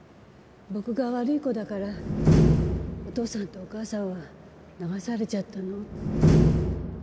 「僕が悪い子だからお父さんとお母さんは流されちゃったの？」。